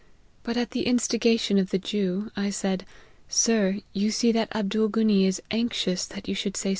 But at the instiga tion of the Jew, I said, ' Sir, you see that Abdool ghunee is anxious that you should say